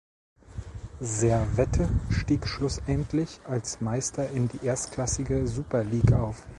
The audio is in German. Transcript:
Servette stieg schlussendlich als Meister in die erstklassige Super League auf.